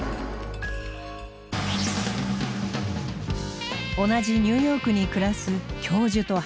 同じニューヨークに暮らす教授とハカセ。